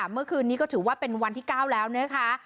เมื่อคืนนี้ก็ถือว่าเป็นวันที่๙แล้วนะคะ